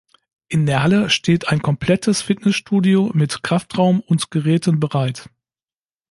In der Halle steht ein komplettes Fitnessstudio mit Kraftraum und Geräten bereit.